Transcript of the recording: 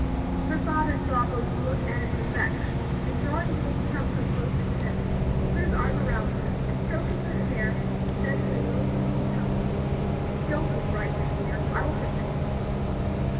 Her father saw both the look and its effect, and drawing the little trembler closer to him, he put his arm around her, and stroking her hair, said in a low, soothing tone: "Don't be frightened, daughter; I will protect you."